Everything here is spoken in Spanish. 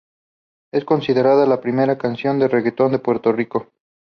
Es considerada la primera canción de reggaeton en Puerto Rico.